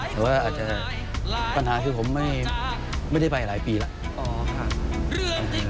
แต่ว่าอาจจะปัญหาคือผมไม่ได้ไปหลายปีแล้ว